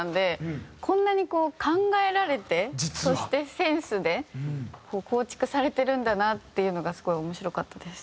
こんなにこう考えられてそしてセンスで構築されてるんだなっていうのがすごい面白かったです。